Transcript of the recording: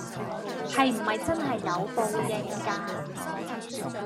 係唔係真係有報應架